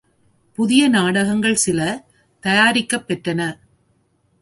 புதிய நாடகங்கள் சில தயாரிக்கப் பெற்றன.